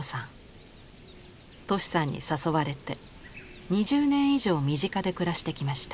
俊さんに誘われて２０年以上身近で暮らしてきました。